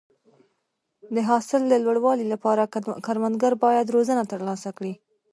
د حاصل د لوړوالي لپاره کروندګر باید روزنه ترلاسه کړي.